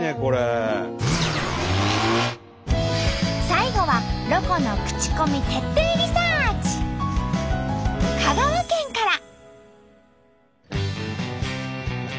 最後は香川県から。